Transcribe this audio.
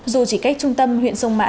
dù chỉ cách trung tâm huyện sông mã